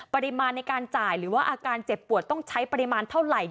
ปริมาณในการจ่ายหรือว่าอาการเจ็บปวดต้องใช้ปริมาณเท่าไหร่